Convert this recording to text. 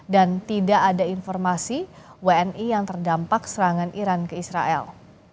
dan tidak ada informasi wni yang terdampak serangan iran ke israel